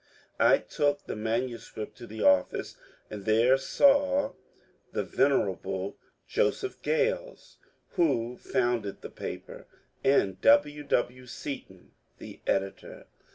I took the manuscript to the office, and there saw the venerable Joseph Gales, who founded the paper, and W. W. Seaton, the editor.